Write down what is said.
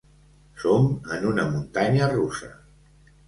Som en una muntanya russa.